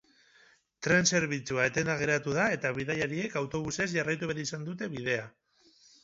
Tren zerbitzua etenda geratu da eta bidaiariek autobusez jarraitu behar izan dute bidea.